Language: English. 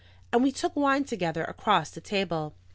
And we took wine together across the table.